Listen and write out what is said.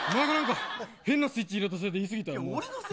変なスイッチが入ったせいで言いすぎた。